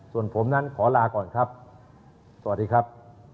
ส่วนผมนั้นขอลาก่อนครับสวัสดีครับ